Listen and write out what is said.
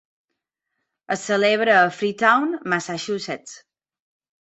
Es celebra a Freetown, Massachusetts.